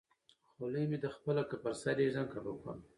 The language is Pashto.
خولۍ مې ده خپله که په سر يې ايږدم که په کونه